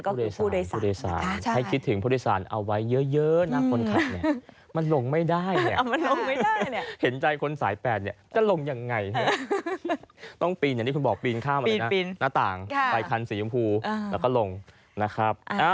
ก็คือผู้โดยสารค่ะใช่